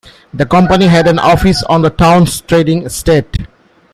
The company had an office on the town's trading estate